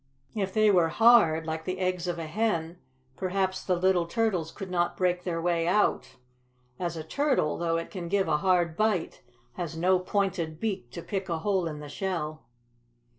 If they were hard, like the eggs of a hen, perhaps the little turtles could not break their way out, as a turtle, though it can give a hard bite, has no pointed beak to pick a hole in the shell."